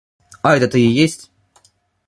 А это-то и есть.